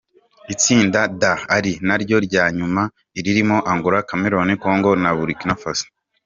Itsinda D ari naryo rya nyuma ririmo: Angola, Cameroon, Congo na Burkina Faso.